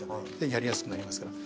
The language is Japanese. やりやすくなりますから。